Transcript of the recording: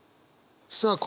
さあ